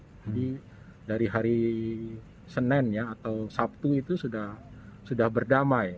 jadi dari hari senin ya atau sabtu itu sudah berdamai